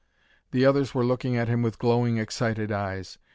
The others were looking at him with glowing, excited eyes.